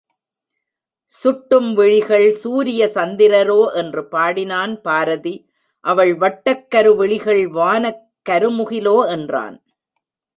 சுட்டும் விழிகள் சூரிய சந்திரரோ என்று பாடினான் பாரதி அவள் வட்டக் கரு விழிகள் வானக் கருமுகிலோ என்றான்.